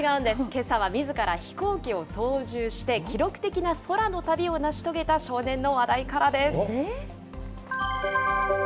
けさはみずから飛行機を操縦して、記録的な空の旅を成し遂げた少年の話題からです。